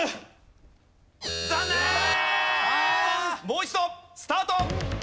もう一度スタート！